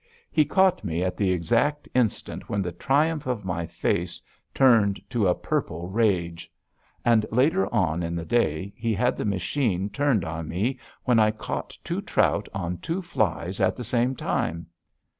He caught me at the exact instant when the triumph of my face turned to a purple rage; and later on in the day he had the machine turned on me when I caught two trout on two flies at the same time.